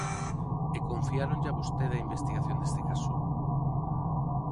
E confiáronlle a vostede a investigación deste caso?